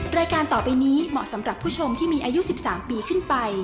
รายการต่อไปนี้เหมาะสำหรับผู้ชมที่มีอายุ๑๓ปีขึ้นไป